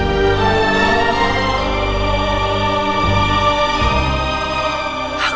sebagai pembawa ke dunia